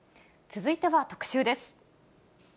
続いては特集です。